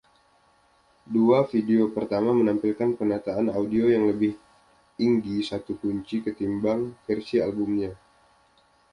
Dua video pertama menampilkan penataan audio yang lebih inggi satu kunci ketimbang versi albumnya.